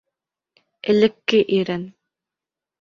Элекке ирең.